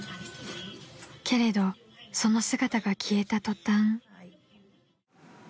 ［けれどその姿が消えた途端］